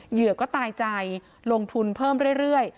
เหยื่อก็ตายใจลงทุนเพิ่มเรื่อย